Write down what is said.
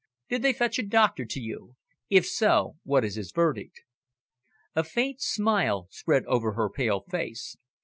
Did they fetch a doctor to you? If so, what is his verdict?" A faint smile spread over her pale face.